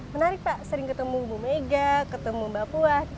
menarik pak sering ketemu bu mega ketemu mbak puan